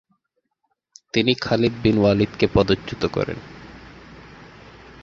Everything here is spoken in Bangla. তিনি খালিদ বিন ওয়ালিদকে পদচ্যুত করেন।